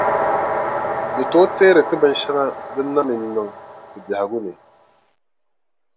Di tooi teeri ti binʼ shɛŋa din na mi n-niŋ ti biɛhigu ni.